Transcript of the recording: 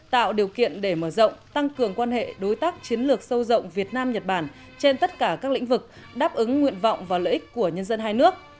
tạo điều kiện để mở rộng tăng cường quan hệ đối tác chiến lược sâu rộng việt nam nhật bản trên tất cả các lĩnh vực đáp ứng nguyện vọng và lợi ích của nhân dân hai nước